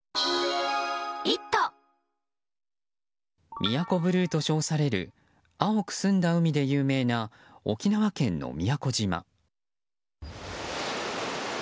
宮古ブルーと称される青く澄んだ海で有名な沖縄県の宮古島。